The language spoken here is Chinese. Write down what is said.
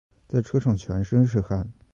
在车上全身是汗